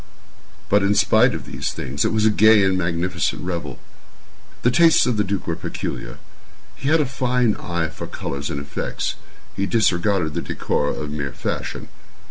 But, in spite of these things, it was a gay and magnificent revel. The tastes of the duke were peculiar. He had a fine eye for colors and effects. He disregarded the decora of mere fashion.